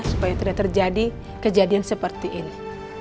supaya tidak terjadi kejadian seperti ini